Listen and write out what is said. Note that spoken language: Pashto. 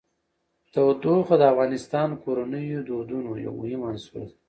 تودوخه د افغان کورنیو د دودونو یو مهم عنصر دی.